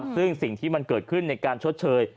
ซึ่งสิ่งที่มันเกิดขึ้นในการชดเชย